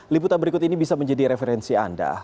liputan berikut ini bisa menjadi referensi anda